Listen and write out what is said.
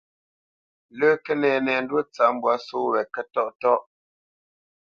Lə́ Kənɛnɛndwó tsâp mbwǎ só wě Kətɔ́ʼtɔ́ʼ.